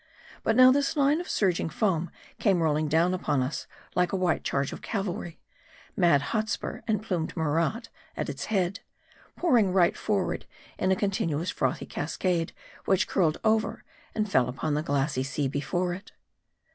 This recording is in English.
But now this line of surg ing foam came rolling down upon us like a white charge of cavalry : mad Hotspur and plumed Murat at its head ; pouring right forward in a continuous frothy cascade, which curled over, and fell upon the glassy sea before it.